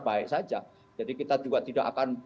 baik saja jadi kita juga tidak akan